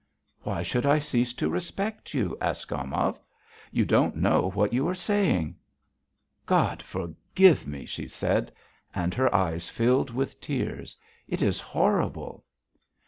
"Why should I cease to respect you?" asked Gomov. "You don't know what you are saying." "God forgive me!" she said, and her eyes filled with tears. "It is horrible."